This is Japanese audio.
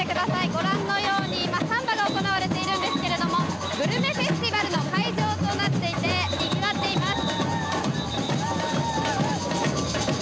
ご覧のように今、サンバが行われているんですがグルメフェスティバルの会場となっていてにぎわっています。